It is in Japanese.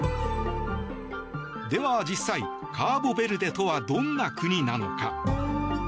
では実際、カーボベルデとはどんな国なのか？